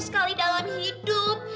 sekali dalam hidup